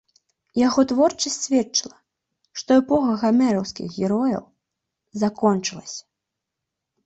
Яго творчасць сведчыла, што эпоха гамераўскіх герояў закончылася.